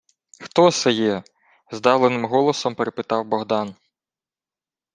— Хто се є? — здавленим голосом перепитав Богдан.